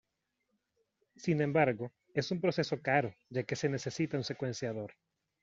Sin embargo, es un proceso caro ya que se necesita un secuenciador.